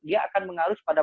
dia akan mengalus pada